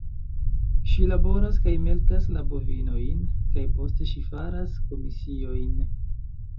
Ŝi laboras kaj melkas la bovinojn, kaj poste ŝi faras komisiojn.